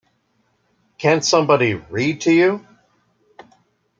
Can't somebody read to you?